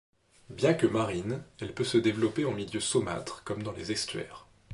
Bien que marine, elle peut se développer en milieu saumâtre, comme dans les estuaires.